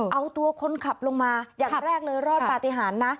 เอาตัวคนขับลงมาอย่างแรกเลยรอดปฏิหารนะ